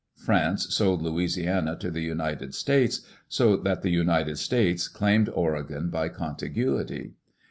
France sold Louisiana to the United States; so that the United States claimed Oregon by contiguity.